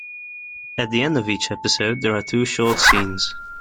At the end of each episode, there are two short scenes.